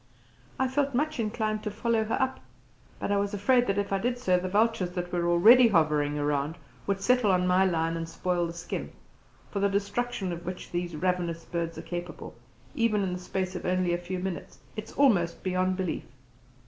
I felt much inclined to follow her up, but I was afraid that if I did so the vultures that were already hovering around would settle on my lion and spoil the skin, for the destruction of which these ravenous birds are capable, even in the space of only a few minutes, is almost beyond belief.